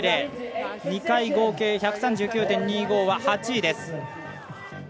２回合計、１３９．２５は８位。